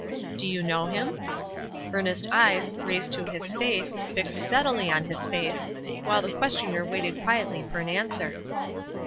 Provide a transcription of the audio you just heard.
"Do you know him?" Earnest eyes, raised to his face, fixed steadily on his face, while the questioner waited quietly for an answer.